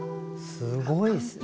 すごいっすね。